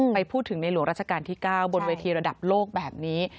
ไปพูดถึงในหลวงราชการที่๙บนเวทีระดับโลกแบบนี้